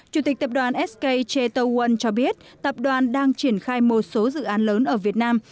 chủ tịch tập đoàn sko world cho biết tập đoàn đang triển khai một số dự án lớn ở việt nam